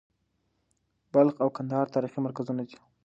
بلخ او کندهار تاریخي مرکزونه دي.